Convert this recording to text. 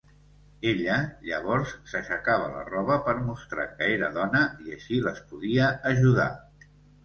Ella, llavors, s'aixecava la roba per mostrar que era dona i així les podia ajudar.